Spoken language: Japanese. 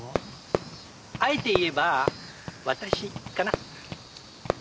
あえて言えば私かな。